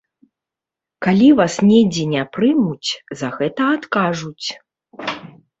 Калі вас недзе не прымуць, за гэта адкажуць.